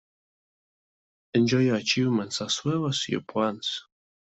Enjoy your achievements as well as your plans.